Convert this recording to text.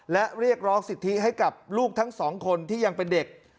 และเรียกร้องสิทธิให้กับลูกทั้งสองคนที่ยังเป็นเด็ก